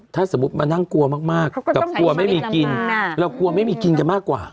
ถ้าสมมุติมานั่งกลัวมากกับกลัวไม่มีกินเรากลัวไม่มีกินกันมากกว่า